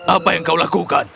apa yang kau lakukan